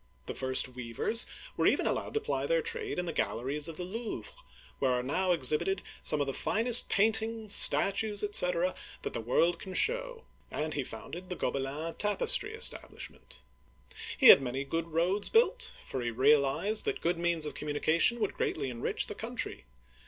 The first weavers were even allowed to ply their trade in the gal leries of the Louvre, where are now exhibited some of Digitized by Google 292 OLD FRANCE the finest paintings, statues, etc., that the world can show ; and he founded the Gobelin (go be laN') tapestry establish ment. He had many good roads built, for he realized that good means of communication 'would greatly enrich the country.